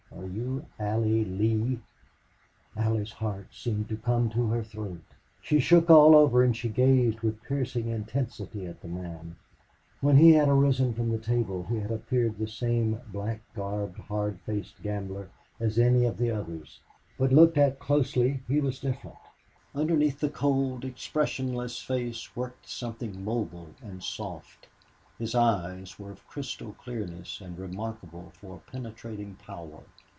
Are you Allie Lee?" Allie's heart seemed to come to her throat. She shook all over, and she gazed with piercing intensity at the man. When he had arisen from the table he had appeared the same black garbed, hard faced gambler as any of the others. But looked at closely, he was different. Underneath the cold, expressionless face worked something mobile and soft. His eyes were of crystal clearness and remarkable for a penetrating power.